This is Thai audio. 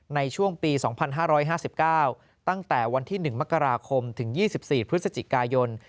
ในช่วงปี๒๕๕๙ตั้งแต่วันที่๑มกราคมถึง๒๔พฤศจิกายน